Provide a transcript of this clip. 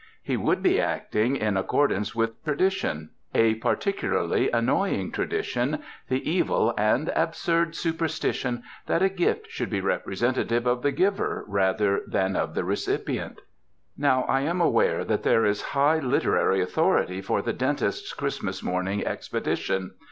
He would be acting in accordance with tradition, a par ART OF CHRISTMAS GIVING ticularly annoying tradition, the evil and absurd superstition that a gift should be representative of the giver rather than of the recipient.. Now, I am aware that there is high literary authority for the dentist's Christmas morning ex pedition.